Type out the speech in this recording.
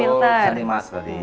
memilah dan membersihkan